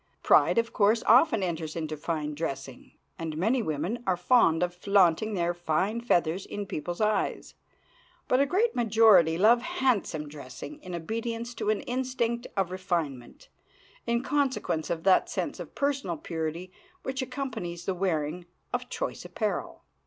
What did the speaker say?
Pride, of course, often enters into fine dressing, and many women are fond of flaunting their fine feathers in people's eyes; but a great majority love handsome dressing in obedience to an instinct of refinement, in consequence of that sense of personal purity which accompanies the wearing of choice apparel.